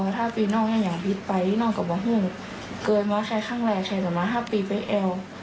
ถ้าพี่น้องยังอย่างผิดไปน้องก็มาห่วงเกินมาแค่ข้างแรกแค่สำหรับพี่ไปแอว